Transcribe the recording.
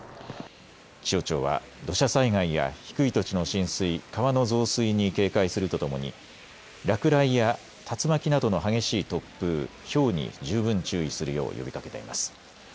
気象庁は土砂災害や低い土地の浸水、川の増水に警戒するとともに落雷や竜巻などの激しい突風、ひょうに十分注意するよう呼びかけています。